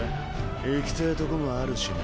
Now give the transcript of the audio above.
行きてぇとこもあるしな。